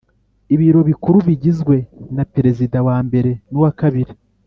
Ibiro Bikuru bigizwe naperezida wa mbere nuwa kabiri